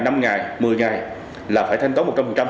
năm ngày một mươi ngày là phải thanh toán một trăm linh